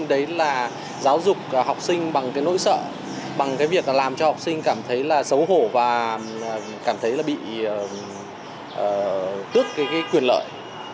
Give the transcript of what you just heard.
đấy là giáo dục học sinh bằng nỗi sợ bằng việc làm cho học sinh cảm thấy xấu hổ và cảm thấy bị tước quyền lợi